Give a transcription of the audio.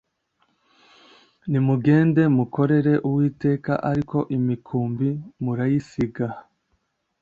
Nimugende mukorere Uwiteka ariko imikumbi murayisiga